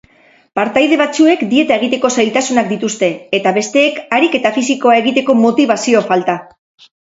Partaide batzuek dieta egiteko zailtasunak dituzte eta besteek ariketa fisikoa egiteko motibazio falta.